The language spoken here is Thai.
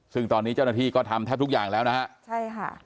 ซึ่งตอนนี้เจ้าหน้าที่ก็ทำแทบทุกอย่างแล้วนะฮะใช่ค่ะ